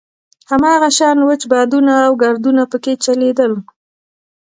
هماغه شان وچ بادونه او ګردونه په کې چلېدل.